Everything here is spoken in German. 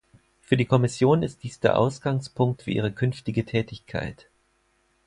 Für die Kommission ist dies der Ausgangspunkt für ihre künftige Tätigkeit.